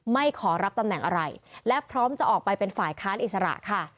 ไม่ขอรับตำแหน่งอะไรและพร้อมจะออกไปเป็นฝ่ายค้านอิสระค่ะ